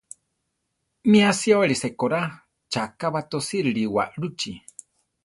Mi asíbali sekorá chaká batosírili waʼlúchi.